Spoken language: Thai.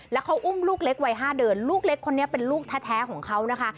แล้วเขาอุ้มลูกเล็กวัย๕เดือนลูกเล็กคนนี้เป็นลูกแท้ของเขานะคะ